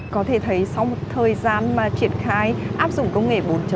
có thể thấy sau một thời gian mà triển khai áp dụng công nghệ bốn